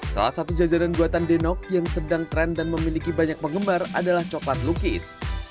salah satu jajanan buatan denok yang sedang tren dan memiliki banyak penggemar adalah coklat lukis